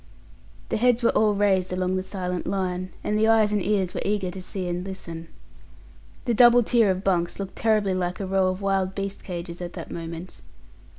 The heads were all raised along the silent line, and eyes and ears were eager to see and listen. The double tier of bunks looked terribly like a row of wild beast cages at that moment.